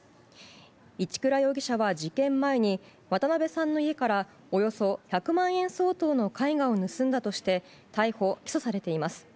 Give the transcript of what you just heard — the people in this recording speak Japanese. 一倉容疑者は事件前に渡辺さんの家からおよそ１００万円相当の絵画を盗んだとして逮捕・起訴されています。